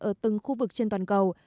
ở từng khu vực trên toàn cầu